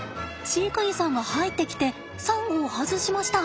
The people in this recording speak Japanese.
飼育員さんが入ってきてサンゴを外しました。